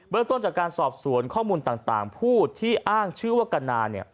ต้นจากการสอบสวนข้อมูลต่างผู้ที่อ้างชื่อว่ากนาเนี่ย